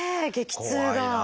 激痛が。